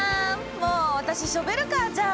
もう私ショベルカーじゃん！